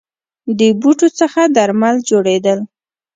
د بوټو څخه درمل جوړیدل